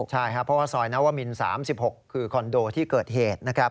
ใช่ครับเพราะว่าซอยนวมิน๓๖คือคอนโดที่เกิดเหตุนะครับ